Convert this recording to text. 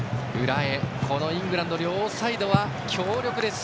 イングランド両サイドは強力です。